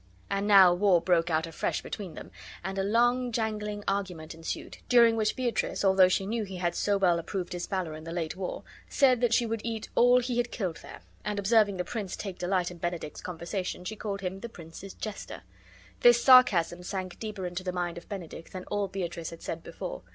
And now war broke out afresh between them, and a long jangling argument ensued, during which Beatrice, although she knew be had so well approved his valor in the late war, said that she would eat all he had killed there; and observing the prince take delight in Benedick's conversation, she called him "the prince's jester." This sarcasm sank deeper into the mind of Benedick than all Beatrice had said before.